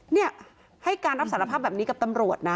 เนี่ยให้การรับสารภาพแบบนี้กับตำรวจนะ